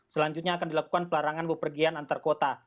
selanjutnya akan dilakukan pelarangan bepergian antar kota